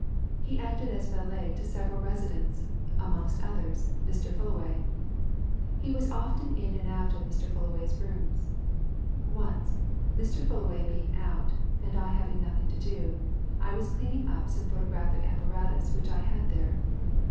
He acted as valet to several residents; amongst others, Mr. Fullaway. He was often in and out of Mr. Fullaway's rooms. Once, Mr. Fullaway being out, and I having nothing to do, I was cleaning up some photographic apparatus which I had there.